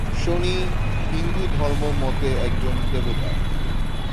শনি হিন্দুধর্ম মতে একজন দেবতা।